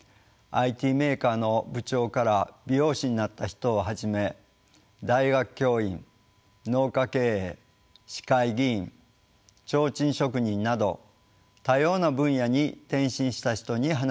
ＩＴメーカーの部長から美容師になった人をはじめ大学教員農家経営市会議員ちょうちん職人など多様な分野に転身した人に話を聞きました。